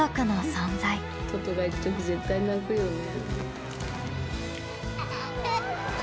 トトが行く時絶対泣くよね。